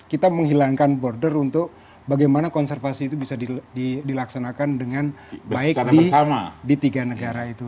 kita menghilangkan border untuk bagaimana konservasi itu bisa dilaksanakan dengan baik di tiga negara itu